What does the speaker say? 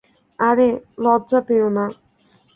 আরে, লজ্জা পেয়ো না!